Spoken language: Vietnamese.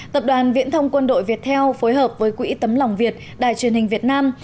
tập đoàn viễn thông quân đội việt theo phối hợp với quỹ tấm lòng việt đài truyền hình việt nam